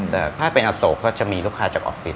แต่ถ้าเป็นอโศกก็จะมีลูกค้าจากออฟฟิศ